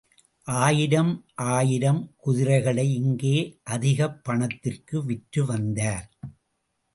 ஆயிரம் ஆயிரம் குதிரைகளை இங்கே அதிகப் பணத்திற்கு விற்றுவந்தார்.